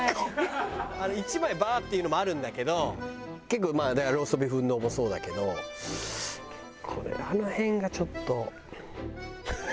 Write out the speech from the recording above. １枚バーッていうのもあるんだけど結構だからローストビーフ丼もそうだけどこれはあの辺がちょっと。